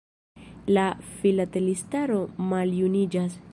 La filatelistaro maljuniĝas.